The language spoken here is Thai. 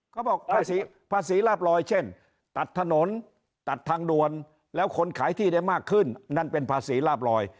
เขาบอกภาษีภาษีลาบลอยเช่นตัดถนนตัดทางด่วนแล้วคนขายที่ได้มากขึ้นนั่นเป็นภาษีลาบลอย